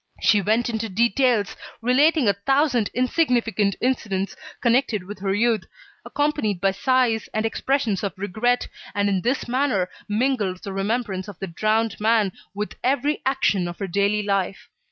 She went into details, relating a thousand insignificant incidents connected with her youth, accompanied by sighs and expressions of regret, and in this manner, mingled the remembrance of the drowned man with every action of her daily life.